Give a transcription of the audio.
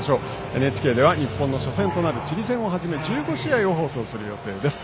ＮＨＫでは日本の初戦となるチリ戦を始め１５試合を放送する予定です。